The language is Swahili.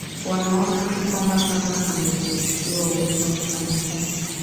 wanaona tu kwamba kama amepungukiwa uwezo wa kufanya kazi